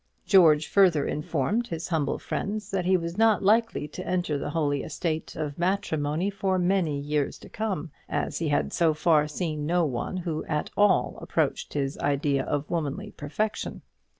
George further informed his humble friends that he was not likely to enter the holy estate of matrimony for many years to come, as he had so far seen no one who at all approached his idea of womanly perfection.